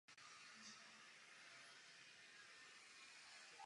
Druhou podmínkou je společný výskyt dalších představ a jejich pečlivé prozkoumání.